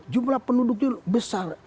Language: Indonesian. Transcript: jumlah penduduknya besar